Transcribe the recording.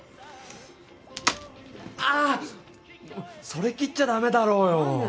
それ切っちゃダメだろうよ。